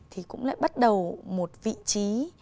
thì cũng lại bắt đầu một vị trí